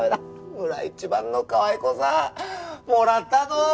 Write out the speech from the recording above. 村一番のかわい子さんもらったど！